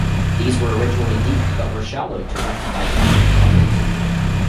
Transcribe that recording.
These were originally deep, but were shallowed to rectify cracking problems.